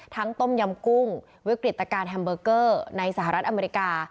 ต้มยำกุ้งวิกฤตการณแฮมเบอร์เกอร์ในสหรัฐอเมริกา